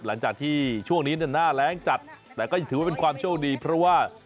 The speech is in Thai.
หลังจากที่ช่วงนี้หน้าแรงจัดแต่ก็ถือว่าเป็นความโชคดีเพราะว่า